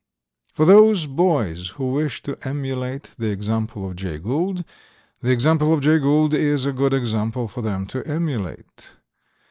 For those boys who wish to emulate the example of Jay Gould, the example of Jay Gould is a good example for them to emulate.